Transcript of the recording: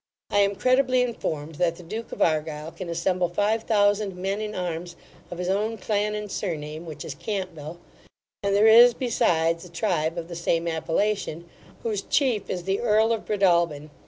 I am credibly informed that the duke of Argyle can assemble five thousand men in arms, of his own clan and surname, which is Campbell; and there is besides a tribe of the same appellation, whose chief' is the Earl of Breadalbine.